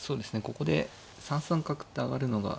ここで３三角って上がるのが。